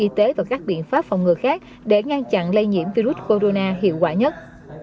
y tế và các biện pháp phòng ngừa khác để ngăn chặn lây nhiễm virus corona hiệu quả nhất